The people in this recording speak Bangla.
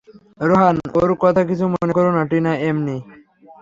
রোহান, ওর কথা কিছু মনে করো না, টিনা এমনি।